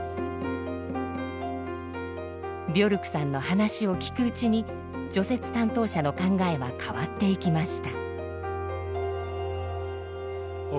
ビョルクさんの話を聞くうちに除雪担当者の考えは変わっていきました。